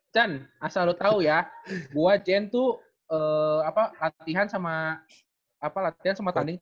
cun asal lo tau ya gue jen tuh latihan sama apa latihan sama tanding tuh